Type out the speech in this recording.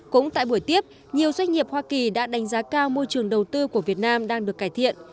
cũng tại buổi tiếp nhiều doanh nghiệp hoa kỳ đã đánh giá cao môi trường đầu tư của việt nam đang được cải thiện